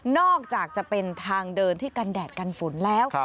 อกจากจะเป็นทางเดินที่กันแดดกันฝนแล้ว